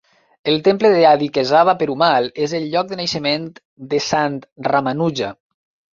El Temple de Adikesava Perumal és el lloc de naixement de Sant Ramanuja.